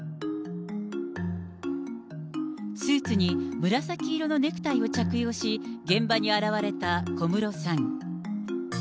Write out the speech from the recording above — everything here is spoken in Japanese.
スーツに紫色のネクタイを着用し、現場に現れた小室さん。